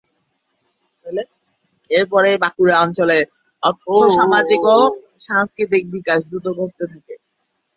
এরপরই বাঁকুড়া অঞ্চলের আর্থসামাজিক ও সাংস্কৃতিক বিকাশ দ্রুত ঘটতে থাকে।